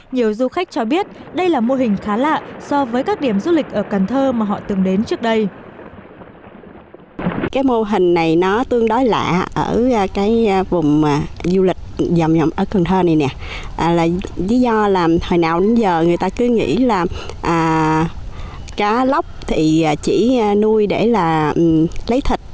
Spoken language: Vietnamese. nhiều du khách cho biết đây là mô hình khá lạ so với các điểm du lịch ở cần thơ mà họ từng đến trước đây